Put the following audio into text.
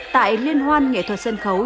tại liên hoan nghệ thuật sân khấu